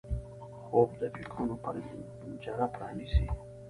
خوب د فکرونو پنجره پرانیزي